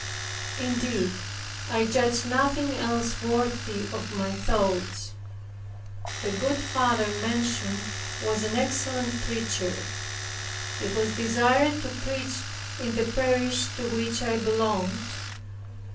Indeed, I judged nothing else worthy of my thoughts. The good father mentioned was an excellent preacher. He was desired to preach in the parish to which I belonged.